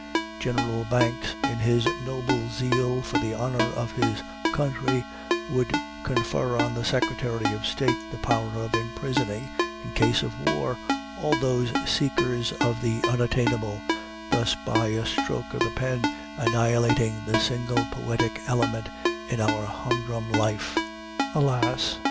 General Banks, in his noble zeal for the honor of his country, would confer on the Secretary of State the power of imprisoning, in case of war, all these seekers of the unattainable, thus by a stroke of the pen annihilating the single poetic element in our humdrum life. Alas!